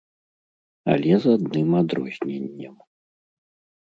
Але з адным адрозненнем.